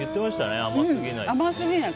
甘すぎない。